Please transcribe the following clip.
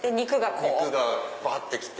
肉がばってきて。